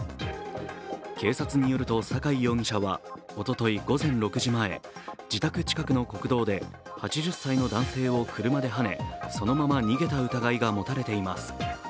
警察によると酒井容疑者はおととい午前６時前、自宅近くの国道で８０歳の男性を車ではねそのまま逃げた疑いが持たれています。